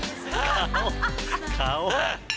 顔！